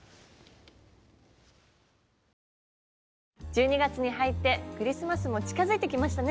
１２月に入ってクリスマスも近づいてきましたね。